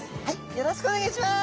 よろしくお願いします！